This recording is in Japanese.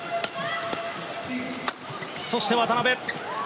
そして、渡辺。